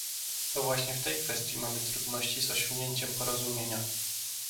To właśnie w tej kwestii mamy trudności z osiągnięciem porozumienia